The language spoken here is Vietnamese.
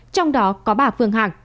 trong đó có bà phương hằng